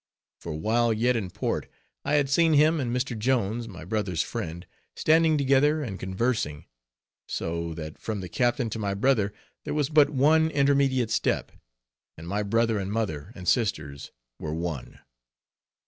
For, while yet in port, I had seen him and Mr. Jones, my brother's friend, standing together and conversing; so that from the captain to my brother there was but one intermediate step; and my brother and mother and sisters were one.